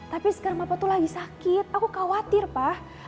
tapi sekarang bapak tuh lagi sakit aku khawatir pak